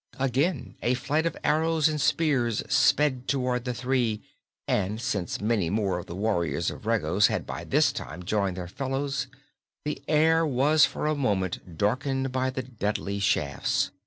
Again a flight of arrows and spears sped toward the three, and since many more of the warriors of Regos had by this time joined their fellows, the air was for a moment darkened by the deadly shafts.